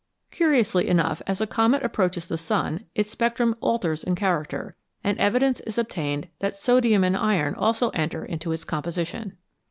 Curiously enough, as a comet approaches the sun, its spectrum alters in character, and evidence is obtained that sodium and iron also enter into its composition.